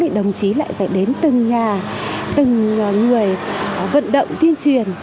đồng chí lại phải đến từng nhà từng người vận động tuyên truyền